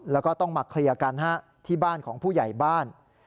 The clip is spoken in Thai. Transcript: แล้วก็ต้องมาเคลียร์กันที่บ้านของผู้ใหญ่บ้าน